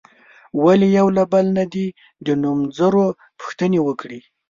یو له بله نه دې د نومځرو پوښتنې وکړي.